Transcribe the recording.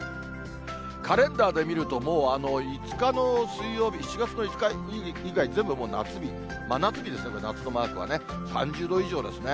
カレンダーで見ると、もう５日の水曜日、７月の５日以外、全部夏日、真夏日ですね、夏のマークはね、３０度以上ですね。